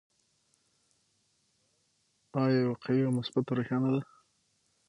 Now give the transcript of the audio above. آیا یوه قوي او مثبته روحیه نه ده؟